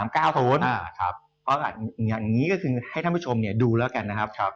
เพราะว่าอย่างนี้ก็คือให้ท่านผู้ชมดูแล้วกันนะครับ